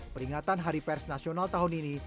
peringatan hari pers nasional tahun ini